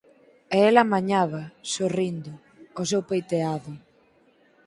E ela amañaba, sorrindo, o seu peiteado.